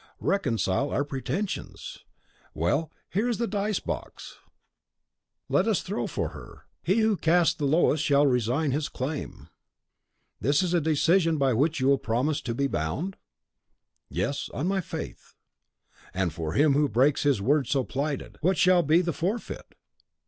Reconcile our pretensions! Well, here is the dice box; let us throw for her. He who casts the lowest shall resign his claim." "Is this a decision by which you will promise to be bound?" "Yes, on my faith." "And for him who breaks his word so plighted, what shall be the forfeit?"